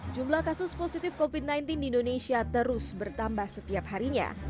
jumlah kasus positif covid sembilan belas di indonesia terus bertambah setiap harinya